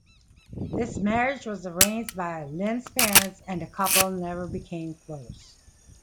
This marriage was arranged by Lin's parents, and the couple never became close.